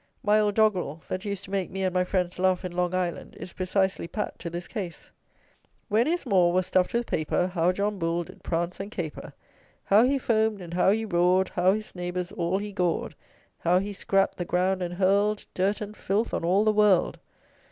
My old doggrel, that used to make me and my friends laugh in Long Island, is precisely pat to this case. When his maw was stuffed with paper, How JOHN BULL did prance and caper! How he foam'd and how he roar'd: How his neighbours all he gored! How he scrap'd the ground and hurl'd Dirt and filth on all the world!